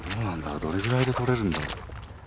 どれぐらいで撮れるんだろう？